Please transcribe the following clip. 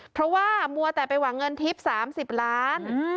เพราะว่ามัวแต่ไปหวังเงินทิพย์๓๐ล้าน